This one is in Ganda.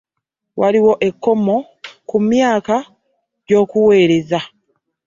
Waliwo ekkomo ku myaka gy'oweereza.